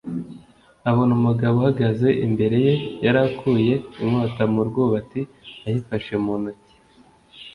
abona umugabo uhagaze imbere ye; yari yakuye inkota mu rwubati ayifashe mu ntoki.